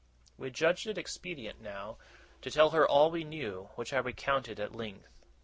We judged it expedient, now, to tell her all we knew; which I recounted at length.